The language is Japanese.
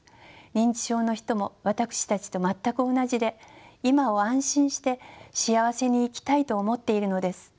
認知症の人も私たちと全く同じで今を安心して幸せに生きたいと思っているのです。